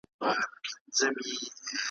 لکه سیوری، لکه وهم، لکه وېره ,